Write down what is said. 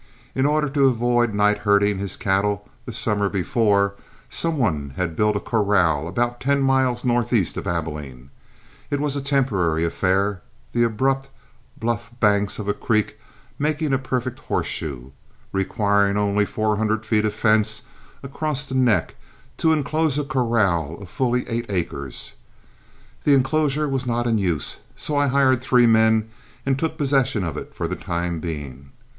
In order to avoid night herding his cattle the summer before, some one had built a corral about ten miles northeast of Abilene. It was a temporary affair, the abrupt, bluff banks of a creek making a perfect horseshoe, requiring only four hundred feet of fence across the neck to inclose a corral of fully eight acres. The inclosure was not in use, so I hired three men and took possession of it for the time being.